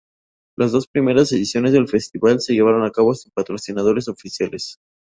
Las dos primeras ediciones del Festival se llevaron a cabo sin patrocinadores oficiales.